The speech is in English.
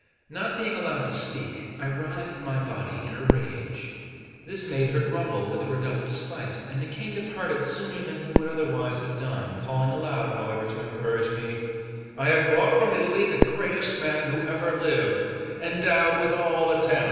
Not being allowed to speak, I writhed my body in a rage; this made her grumble with redoubled spite; and the King departed sooner than he would otherwise have done, calling aloud, however, to encourage me: "I have brought from Italy the greatest man who ever lived, endowed with all the talents."